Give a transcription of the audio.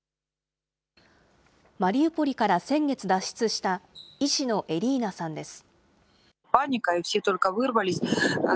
マリウポリから先月脱出した医師のエリーナさんです。